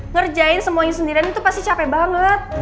ngerjain semuanya sendirian itu pasti capek banget